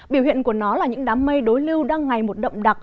biểu hiện của nó là những đám mây đối lưu đang ngày một động đặc